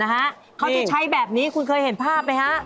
เขาจะใช้แบบนี้คุณเคยเห็นภาพไหมฮะ